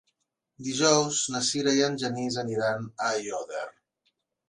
Dijous na Sira i en Genís aniran a Aiòder.